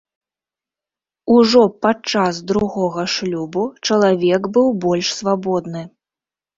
Ужо падчас другога шлюбу чалавек быў больш свабодны.